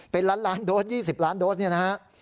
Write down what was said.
เป็นล้านล้านโดสยี่สิบล้านโดสนี่นะครับ